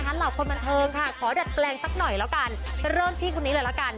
เหล่าคนบันเทิงค่ะขอดัดแปลงสักหน่อยแล้วกันเริ่มที่คนนี้เลยละกัน